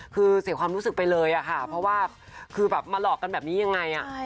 คือเสียความรู้สึกไปเลยค่ะเพราะว่าคือแบบมาหลอกกันแบบนี้ยังไง